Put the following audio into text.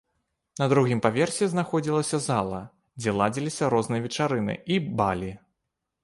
На другім паверсе знаходзілася зала, дзе ладзіліся розныя вечарыны і балі.